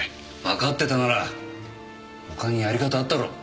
わかってたなら他にやり方あったろ。